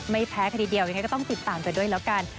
ไม่แพ้คดีเดียวยังไงก็ต้องติดตามกันด้วยแล้วกัน